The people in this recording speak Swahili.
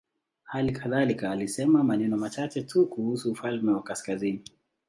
Hali kadhalika alisema maneno machache tu kuhusu ufalme wa kaskazini.